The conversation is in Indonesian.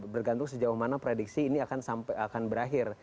bergantung sejauh mana prediksi ini akan berakhir